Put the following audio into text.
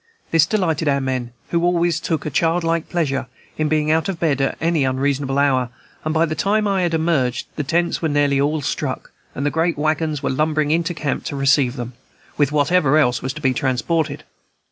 This delighted our men, who always took a childlike pleasure in being out of bed at any unreasonable hour; and by the time I had emerged, the tents were nearly all struck, and the great wagons were lumbering into camp to receive them, with whatever else was to be transported.